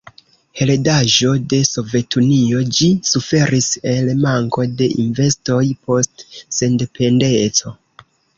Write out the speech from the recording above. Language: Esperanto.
Heredaĵo de Sovetunio, ĝi suferis el manko de investoj post sendependeco.